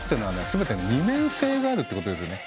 全て二面性があるっていうことですよね。